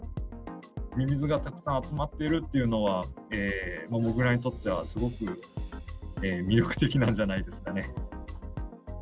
ミミズがたくさん集まっているというのは、モグラにとってはすごく魅力的なんじゃないですかね。